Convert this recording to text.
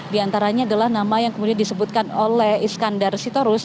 diantaranya adalah nama yang kemudian disebutkan oleh iskandar sitorus